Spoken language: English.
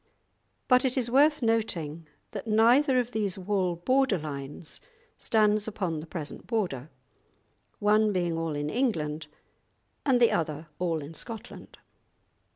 But it is worth noting that neither of these wall border lines stands upon the present border, one being all in England and the other all in Scotland.